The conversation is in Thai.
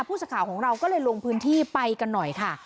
ผู้สื่อข่าวของเราก็เลยลงพื้นที่ไปกันหน่อยค่ะ